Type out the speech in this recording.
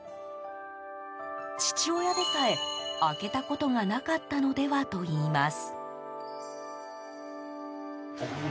父親でさえ、開けたことがなかったのではといいます。